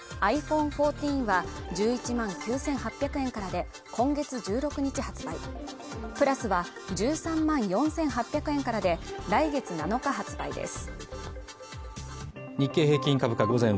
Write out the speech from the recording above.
ｉＰｈｏｎｅ１４は１１万９８００円からで今月１６日発売Ｐｌｕｓは１３万４８００円からで来月７日発売です